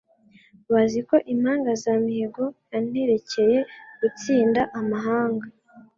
Bazi ko Impangazamihigo yanterekeye gutsinda amahanga